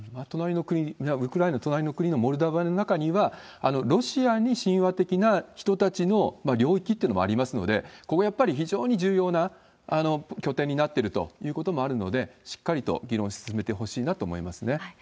隣の国、ウクライナの隣の国のモルドバの中には、ロシアに親和的な人たちの領域っていうのもありますので、ここ、やっぱり非常に重要な拠点になっているということもあるので、しっかりと議論進めてほしいなと思いますね。